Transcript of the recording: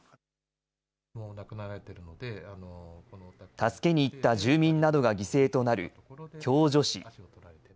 助けに行った住民などが犠牲となる共助死。